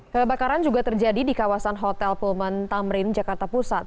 kebakaran juga terjadi di kawasan hotel pulman tamrin jakarta pusat